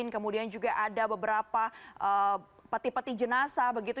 kemudian juga ada beberapa peti peti jenazah begitu